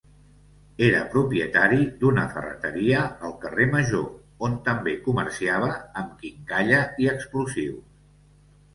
Era propietari d'una ferreteria al carrer Major, on també comerciava amb quincalla i explosius.